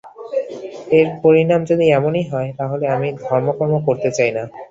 এর পরিণাম যদি এমনই হয়, তাহলে আমি ধর্ম-কর্ম করতে চাই না।